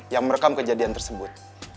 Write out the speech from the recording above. yang merekam kejadian tersebut